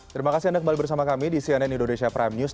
terima kasih anda kembali bersama kami di cnn indonesia prime news